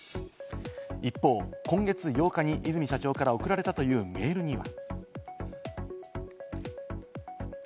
一方、今月８日に和泉社長から送られたというメールには。